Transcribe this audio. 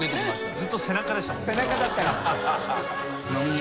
ずっと背中でしたもんね。